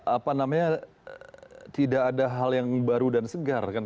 apa namanya tidak ada hal yang baru dan segar kan